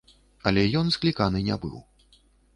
Але ён скліканы не быў.